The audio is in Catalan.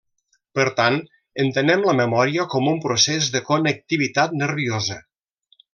Per tant, entenem la memòria com un procés de connectivitat nerviosa.